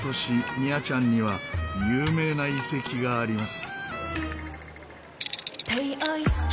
ニャチャンには有名な遺跡があります。